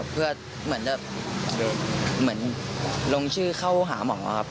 เพื่อเหมือนลงชื่อเข้าหาหมองครับ